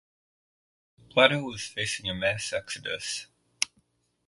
Blato was facing a mass exodus.